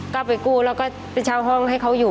ก็ไปกู้แล้วก็ไปเช่าห้องให้เขาอยู่